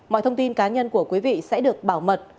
mọi thông tin cá nhân của quý vị sẽ được bảo mật